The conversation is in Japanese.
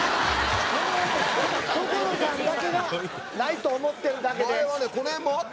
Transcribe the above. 所さんだけがないと思ってるだけで。